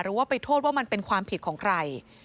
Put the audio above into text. ว่าไปโทษว่ามันเป็นความผิดของใคร